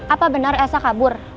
apa benar esa kabur